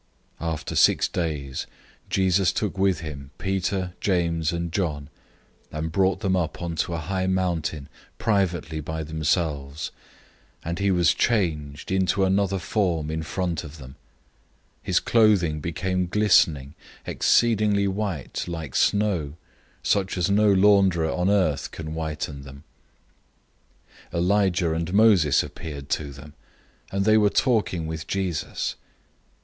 009:002 After six days Jesus took with him Peter, James, and John, and brought them up onto a high mountain privately by themselves, and he was changed into another form in front of them. 009:003 His clothing became glistening, exceedingly white, like snow, such as no launderer on earth can whiten them. 009:004 Elijah and Moses appeared to them, and they were talking with Jesus.